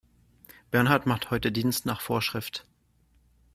Bernhard macht heute Dienst nach Vorschrift.